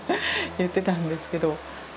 言ってたんですけど。